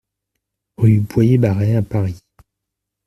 Rue Boyer-Barret à Paris